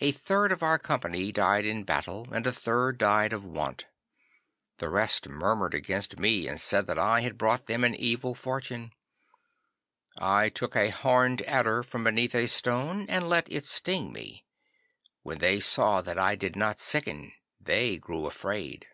A third of our company died in battle, and a third died of want. The rest murmured against me, and said that I had brought them an evil fortune. I took a horned adder from beneath a stone and let it sting me. When they saw that I did not sicken they grew afraid.